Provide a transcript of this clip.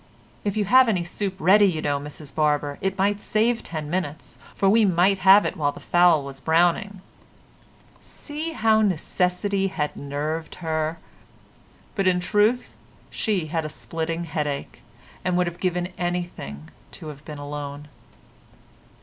"If you have any soup ready, you know, Mrs Barber, it might save ten minutes, for we might have it while the fowl was browning." See how necessity had nerved her! But in truth she had a splitting headache, and would have given anything to have been alone.